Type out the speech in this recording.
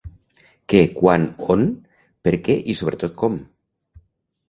Què, quan, on, per què i sobretot com.